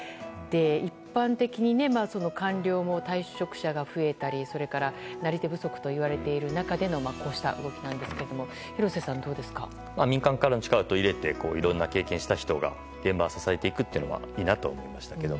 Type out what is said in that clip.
一般的に官僚も退職者が増えたりなり手不足といわれている中での動きですけど民間からの力を入れていろんな経験をした人が現場を支えていくのはいいなと思いましたけど。